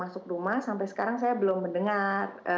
masuk rumah sampai sekarang saya belum mendengar